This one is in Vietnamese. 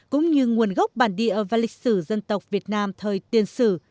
cũng như nguồn gốc bản địa và lịch sử dân tộc việt nam thời tiên sử